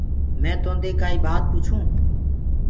مينٚ توندي ڪآئي ٻآت پوڇونٚ؟